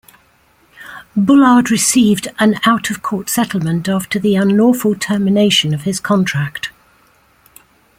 Bullard received an out of court settlement after the unlawful termination of his contract.